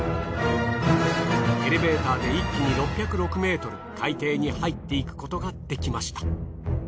エレベーターで一気に６０６ｍ海底に入っていくことができました。